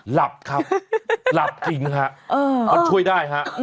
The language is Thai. หลับครับหลับจริงค่ะช่วยได้ค่ะ